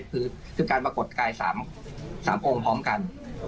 คือการปรากฏกาย๓องค์พร้อมกัน